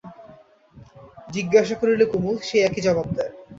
জিজ্ঞাসা করিলে কুমুদ সেই একই জবাব দেয়।